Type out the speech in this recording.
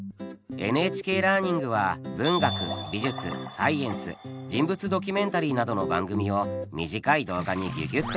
ＮＨＫラーニングは文学美術サイエンス人物ドキュメンタリーなどの番組を短い動画にぎゅぎゅっと凝縮。